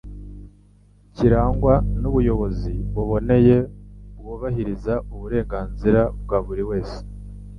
kirangwa n'ubuyobozi buboneye, bwubahiriza uburenganzira bwa buri wese,